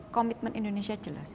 komitmen indonesia jelas